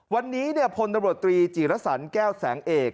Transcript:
วันนี้พลตำรวจตรีจีรสรรแก้วแสงเอก